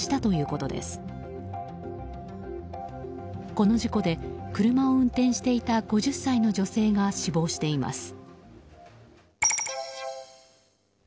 この事故で車を運転していた５０歳の女性が死亡しています。